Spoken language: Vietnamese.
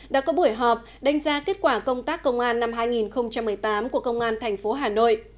đã có buổi họp đánh giá kết quả công tác công an năm hai nghìn một mươi tám của công an thành phố hà nội